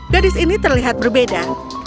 gadis ini terlihat berbeda